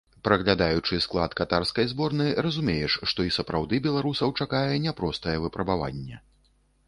Праглядаючы склад катарскай зборнай, разумееш, што і сапраўды беларусаў чакае няпростае выпрабаванне.